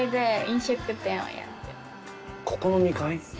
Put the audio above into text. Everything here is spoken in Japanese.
ここの２階？